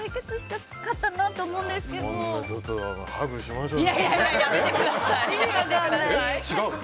ちょっとハグしましょうよ。